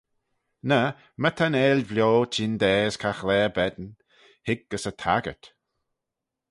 Ny my ta'n eill vio chyndaa as caghlaa bane: hig gys y taggyrt.